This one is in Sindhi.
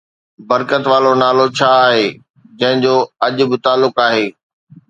برڪت وارو نالو آهي جنهن جو اڄ به تعلق آهي